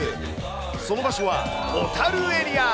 その場所は小樽エリア。